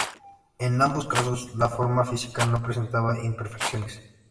En ambos casos, la forma física no presentaba imperfecciones.